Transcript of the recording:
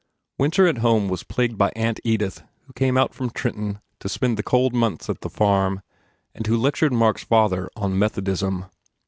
Winter at home was plagued by Aunt Edith who came out from Trenton to spend the cold months at the farm and who lectured Mark s father on Methodism.